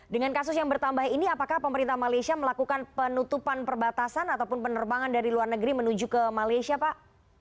dengan kasus yang bertambah ini apakah pemerintah malaysia melakukan penutupan perbatasan ataupun penerbangan dari luar negeri menuju ke malaysia pak